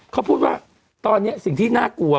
เขาพูดว่าตอนนี้สิ่งที่น่ากลัว